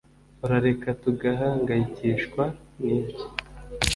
urareka tugahangayikishwa nibyo